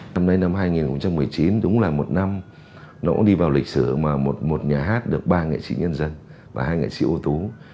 năm nay năm hai nghìn một mươi chín đúng là một năm nó cũng đi vào lịch sử mà một nhà hát được ba nghệ sĩ nhân dân và hai nghệ sĩ ưu tú